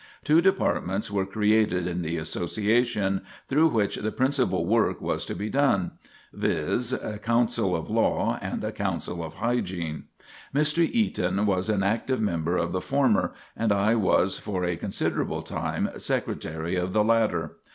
Two departments were created in the Association, through which the principal work was to be done; viz., a Council of Law and a Council of Hygiene. Mr. Eaton was an active member of the former, and I was for a considerable time Secretary of the latter.